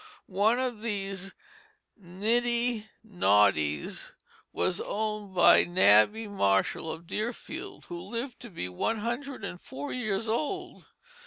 One of these niddy noddys was owned by Nabby Marshall of Deerfield, who lived to be one hundred and four years old.